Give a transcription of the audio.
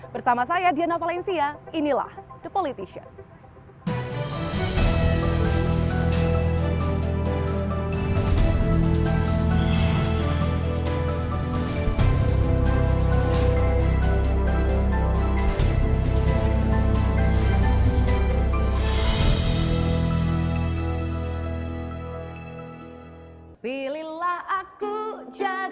bersama saya diana valencia inilah the politician